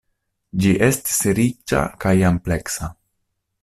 Ĝi estis riĉa kaj ampleksa.